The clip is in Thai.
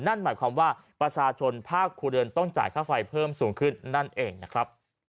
นั่นหมายความว่าประชาชนภาคครัวเรือนต้องจ่ายค่าไฟเพิ่มสูงขึ้นนั่นเองนะครับ